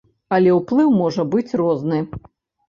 Але ўплыў можа быць розны.